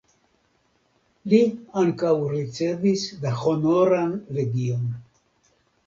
Li ankaŭ ricevis la Honoran Legion.